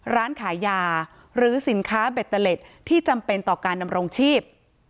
ร้านขายยาหรือสินค้าเบตเตอร์เล็ตที่จำเป็นต่อการดำรงชีพ